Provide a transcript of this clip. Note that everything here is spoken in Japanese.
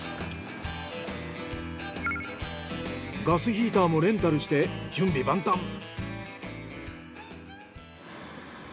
ガスヒーターもレンタルして準備万端。